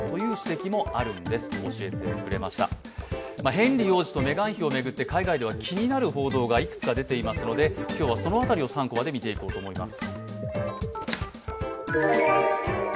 ヘンリー王子とメガン妃を巡って海外では気になる報道がいくつか出ていますので今日はその辺りを「３コマ」で見ていこうと思います。